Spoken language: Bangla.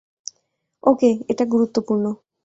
ওকে, এটা গুরুত্বপূর্ণ।